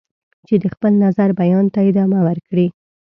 چې د خپل نظر بیان ته ادامه ورکړي.